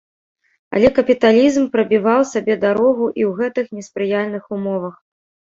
Але капіталізм прабіваў сабе дарогу і ў гэтых неспрыяльных умовах.